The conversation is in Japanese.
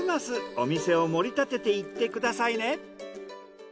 お店を盛り立てていってくださいね。